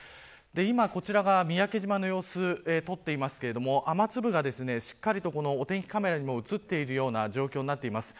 今、こちらが三宅島の様子を撮っていますが雨粒がしっかりとお天気カメラにも映っている状況になっています。